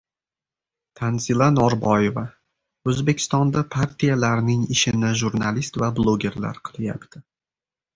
Tanzila Norboeva: "O‘zbekistonda partiyalarning ishini jurnalist va blogerlar qilyapti"